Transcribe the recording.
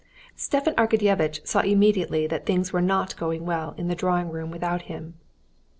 Stepan Arkadyevitch saw immediately that things were not going well in the drawing room without him.